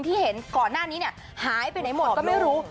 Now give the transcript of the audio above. ที่เห็นก่อนหน้านี้หายไปไหนหมดก็ไม่รู้